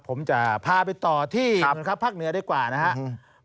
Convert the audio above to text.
ผมจะพาไปต่อที่ภาคเหนือดีกว่านะครับ